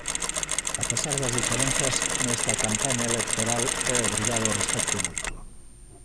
A pesar das diferenzas, nesta campaña electoral é obrigado o respecto mutuo.